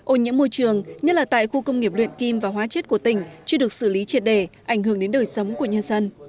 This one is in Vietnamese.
ô nhiễm môi trường nhất là tại khu công nghiệp luyện kim và hóa chất của tỉnh chưa được xử lý triệt đề ảnh hưởng đến đời sống của nhân dân